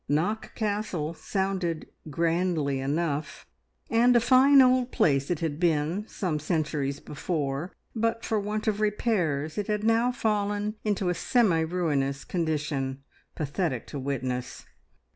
Knock Castle sounded grandly enough, and a fine old place it had been some centuries before; but for want of repairs it had now fallen into a semi ruinous condition pathetic to witness.